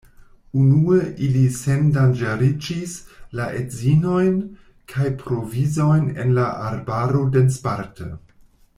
Unue, ili sendanĝeriĝis la edzinojn kaj provizojn en la arbaro densparte.